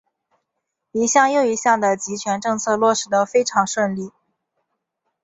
一项又一项的极权政策落实得非常顺利。